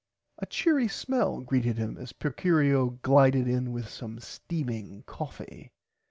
A cheery smell greeted him as Procurio glided in with some steaming coffie.